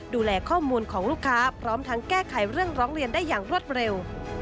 ดูแลข้อมูลของลูกค้าพร้อมทั้งแก้ไขเรื่องร้องเรียนได้อย่างรวดเร็ว